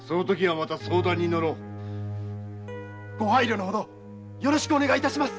ご配慮のほどよろしくお願いいたします。